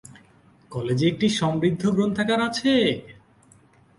কলেজে একটি সমৃদ্ধ গ্রন্থাগার আছে।